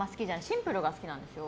シンプルが好きなですよ。